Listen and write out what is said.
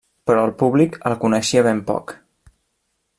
Però el públic el coneixia ben poc.